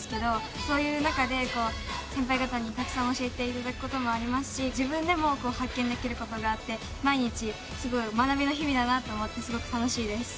そういう中で先輩方にたくさん教えていただくこともありますし自分でも発見できることがあって毎日学びの日々だなと思ってすごく楽しいです。